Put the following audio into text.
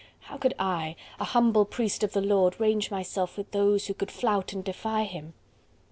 "How could I, a humble priest of the Lord, range myself with those who would flout and defy Him."